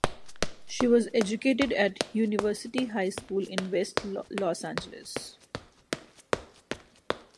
She was educated at University High School in West Los Angeles.